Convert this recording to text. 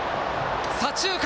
左中間。